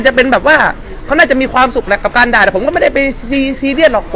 และกับความสุขกับการด่าแต่มันไม่ได้ไปเสียเยียสหรอก